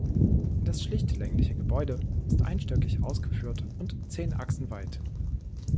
Das schlichte längliche Gebäude ist einstöckig ausgeführt und zehn Achsen weit.